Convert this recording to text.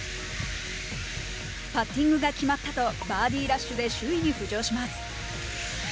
「パッティングが決まった」とバーディーラッシュで首位に浮上します。